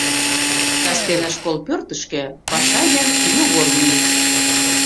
Кастене школ пӧртышкӧ Пашай ден Йогор мийышт.